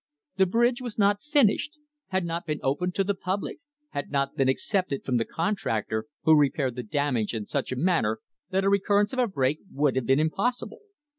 The bridge was not finished; had not been opened to the public; had not been accepted from the contractor, who repaired the damage in such a manner that a re currence of a break would have been impossible.